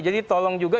jadi tolong juga